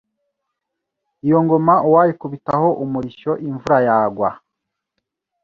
iyo ngoma uwayikubitaho umurishyo imvura yagwa